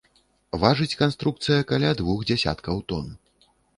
Важыць канструкцыя каля двух дзясяткаў тон.